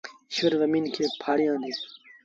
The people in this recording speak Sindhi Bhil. ايٚشور زميݩ کي ڦآڙيآندي۔